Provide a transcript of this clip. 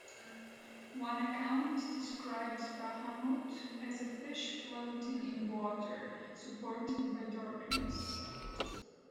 One account describes Bahamut as a fish floating in water, supported by darkness.